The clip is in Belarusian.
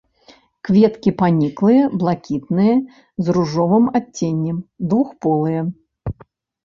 Кветкі паніклыя, блакітныя з ружовым адценнем, двухполыя.